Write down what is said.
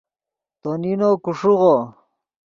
تو نینو کو ݰیغو